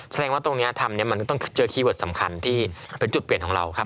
แสดงว่าตรงนี้ทำเนี่ยมันต้องเจอคีย์เวิร์ดสำคัญที่เป็นจุดเปลี่ยนของเราครับ